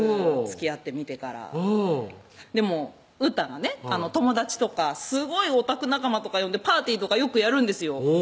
つきあってみてからでもうーたんがね友達とかすごいオタク仲間とか呼んでパーティーとかよくやるんですよ